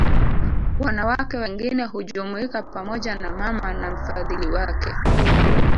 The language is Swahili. Wanawake wengine hujumuika pamoja na mama na mfadhili wake